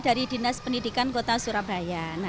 dari dinas pendidikan surabaya